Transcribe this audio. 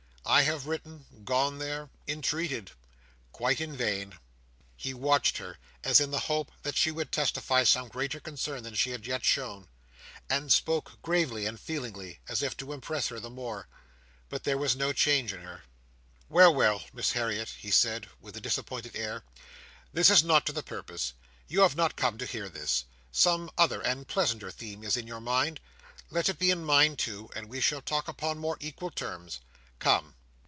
I have written, gone there, entreated. Quite in vain." He watched her, as in the hope that she would testify some greater concern than she had yet shown; and spoke gravely and feelingly, as if to impress her the more; but there was no change in her. "Well, well, Miss Harriet," he said, with a disappointed air, "this is not to the purpose. You have not come here to hear this. Some other and pleasanter theme is in your mind. Let it be in mine, too, and we shall talk upon more equal terms. Come!"